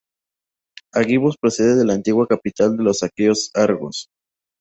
Argivos procede de la antigua capital de los aqueos, Argos.